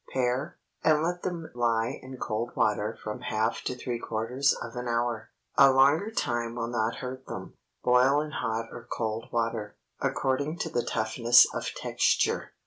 Pare, and let them lie in cold water from half to three quarters of an hour. A longer time will not hurt them. Boil in hot or cold water, according to the toughness of texture.